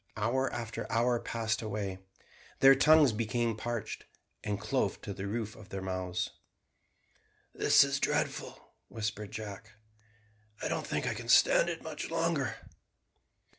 Hour after hour passed away. Their tongues became parched, and clove to the roofs of their mouths. "This is dreadful," whispered Jack; "I don't think I can stand it much longer."